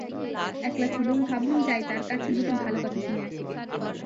একলা ছিলুম, ভাবলুম যাই তাঁর কাছে, দুটো ভালো কথা শুনে আসিগে।